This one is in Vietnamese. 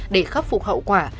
để khắc phục hậu quả